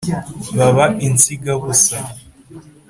baba insiga-busa.